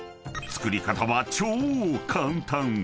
［作り方は超簡単］